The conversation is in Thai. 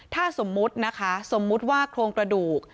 ถ้าสมมุตินะคะสมมุติว่าโครงกระดูก